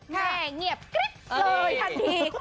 แม่เงียบกริ๊บเลยทันที